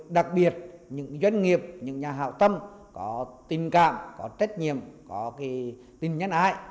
đặc biệt những doanh nghiệp những nhà hảo tâm có tình cảm có trách nhiệm có tình nhân ái